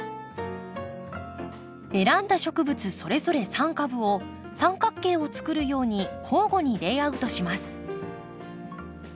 選んだ植物それぞれ３株を三角形をつくるように交互にレイアウトします。